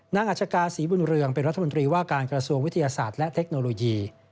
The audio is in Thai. อัชกาศรีบุญเรืองเป็นรัฐมนตรีว่าการกระทรวงวิทยาศาสตร์และเทคโนโลยี